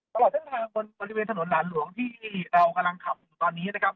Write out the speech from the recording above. ตลอดเส้นทางบนบริเวณถนนหลานหลวงที่เรากำลังขับอยู่ตอนนี้นะครับ